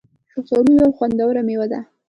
شفتالو یو خوندوره مېوه ده